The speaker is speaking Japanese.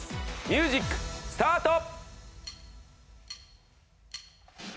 ミュージックスタート！